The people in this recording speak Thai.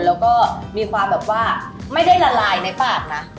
แล้วก็มีความแบบว่าไม่ได้ละลายในปากนะ